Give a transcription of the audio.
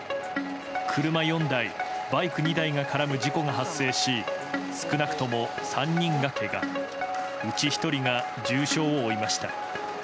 車４台、バイク２台が絡む事故が発生し少なくとも３人がけがうち１人が重傷を負いました。